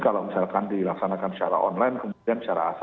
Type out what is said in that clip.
kalau misalkan dilaksanakan secara online kemudian